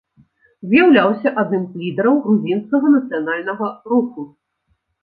З'яўляўся адным з лідараў грузінскага нацыянальнага руху.